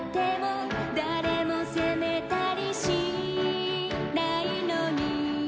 「誰も責めたりしないのに」